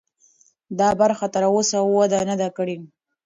دا برخه تراوسه وده نه ده کړې.